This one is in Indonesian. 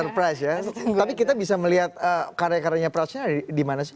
surprise ya tapi kita bisa melihat karya karyanya prach nya di mana sih